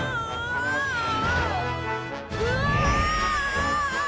うわ！